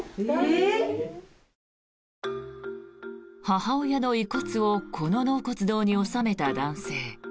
母親の遺骨をこの納骨堂に納めた男性。